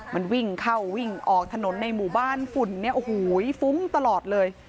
มันวิ่งเข้าวิ่งออกถนนในหมู่บ้านฝุ่นเนี่ยโอ้โหฟุ้งตลอดเลย